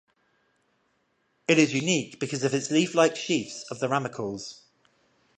It is unique because of its leaflike sheaths of the ramicauls.